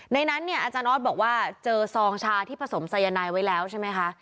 นั้นเนี่ยอาจารย์ออสบอกว่าเจอซองชาที่ผสมสายนายไว้แล้วใช่ไหมคะ